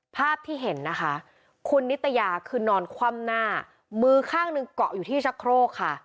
ภาพที่เห็นนะคะคุณนิตยาคือนอนคว่ำหน้ามือข้างหนึ่งเกาะอยู่ที่ชะโครกค่ะ